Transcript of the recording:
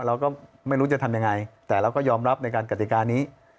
เราก็ไม่รู้จะทำยังไงแต่เราก็ยอมรับในการกติกานี้